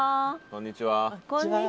こんにちは。